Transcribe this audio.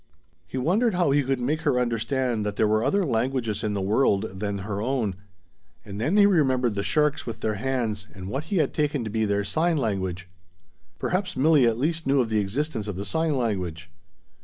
He wondered how he could make her understand that there were other languages in the world than her own; and then he remembered the sharks with their hands and what he had taken to be their sign language. Perhaps Milli at least knew of the existence of the sign language.